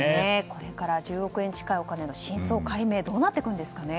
これから１０億円近いお金の真相解明どうなっていくんですかね。